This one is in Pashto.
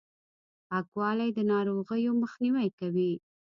پاکوالي، د ناروغیو مخنیوی کوي!